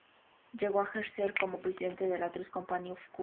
Llegó a ejercer como presidente de la Trust Company of Cuba.